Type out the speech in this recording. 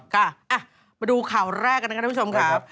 ค่ะมาดูข่าวแรกกันด้วยครับท่านผู้ชม